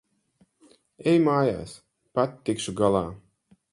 Ej mājās. Pati tikšu galā.